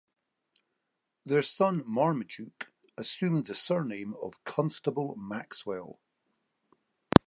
Their son Marmaduke assumed the surname of Constable-Maxwell.